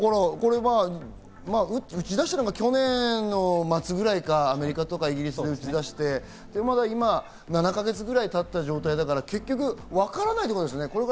打ち出したのが去年の末ぐらいか、アメリカとかイギリスで打ち出して、今７か月ぐらいたった状態だから、結局わからないってことですね。